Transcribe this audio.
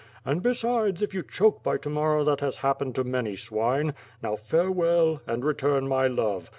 And, besides, if you choke by to morrow that has happened to many swine. Now, farewell, and return my love.